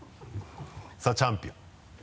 さぁチャンピオン。